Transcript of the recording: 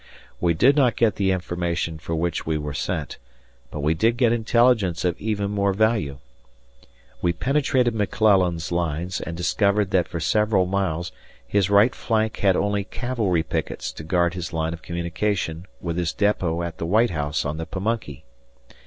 We did not get the information for which we were sent, but we did get intelligence of even more value. We penetrated McClellan's lines and discovered that for several miles his right flank had only cavalry pickets to guard his line of communication with his depot at the White House on the Pamunkey.